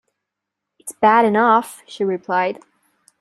“It’s bad enough,” she replied.